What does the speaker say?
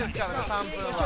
３分は。